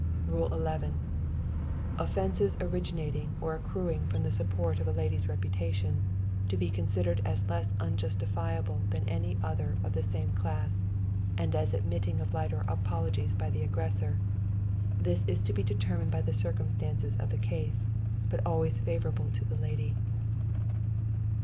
"Rule 11. Offences originating or accruing from the support of a lady's reputation, to be considered as less unjustifiable than any other of the same class, and as admitting of lighter apologies by the aggressor; this to be determined by the circumstances of the case, but always favorably to the lady.